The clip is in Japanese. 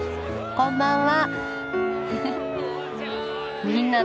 こんばんは。